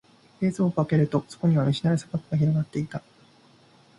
冷蔵庫を開けると、そこには見知らぬ砂漠が広がっていた。